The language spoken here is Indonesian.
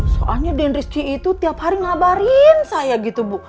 soalnya den rizky itu tiap hari ngabarin saya gitu bu